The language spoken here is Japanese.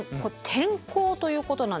天候ということなんですけど。